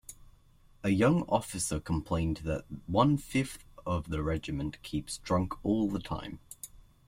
A young officer complained that one-fifth of the regiment keeps drunk all the time.